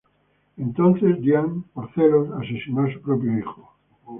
Entonces Dian, por celos, asesinó a su propio hijo.